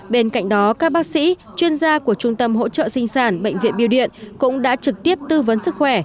bên cạnh đó các bác sĩ chuyên gia của trung tâm hỗ trợ sinh sản bệnh viện biêu điện cũng đã trực tiếp tư vấn sức khỏe